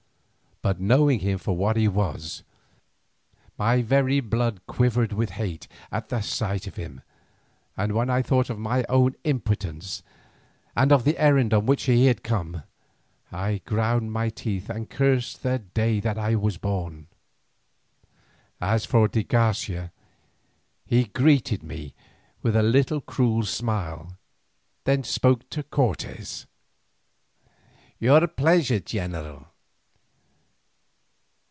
But knowing him for what he was, my very blood quivered with hate at the sight of him, and when I thought of my own impotence and of the errand on which he had come, I ground my teeth and cursed the day that I was born. As for de Garcia, he greeted me with a little cruel smile, then spoke to Cortes. "Your pleasure, general?"